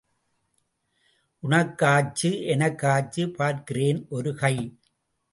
உனக்கு ஆச்சு, எனக்கு ஆச்சு பார்க்கிறேன் ஒரு கை.